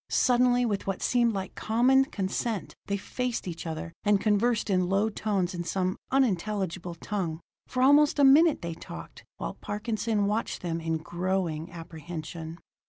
Suddenly, with what seemed like common consent, they faced each other, and conversed in low tones in some unintelligible tongue. For almost a minute they talked, while Parkinson watched them in growing apprehension.